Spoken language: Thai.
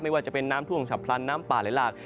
ไม่ว่าจะเป็นน้ำทุ่งฉับพลันน้ำป่าหรือหลาก